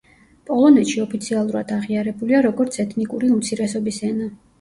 პოლონეთში ოფიციალურად აღიარებულია როგორც ეთნიკური უმცირესობის ენა.